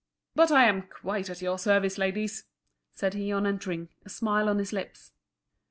"But I am quite at your service, ladies," said he on entering, a smile on his lips.